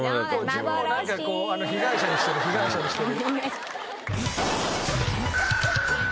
自分をなんかこう被害者にしてる被害者にしてる。